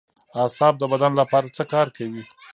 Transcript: اعصاب د بدن لپاره څه کار کوي